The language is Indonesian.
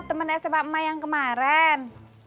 temen smp emak yang kemarin